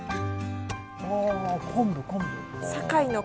お昆布昆布。